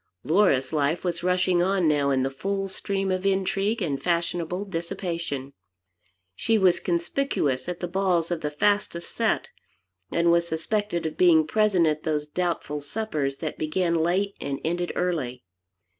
Laura's life was rushing on now in the full stream of intrigue and fashionable dissipation. She was conspicuous at the balls of the fastest set, and was suspected of being present at those doubtful suppers that began late and ended early.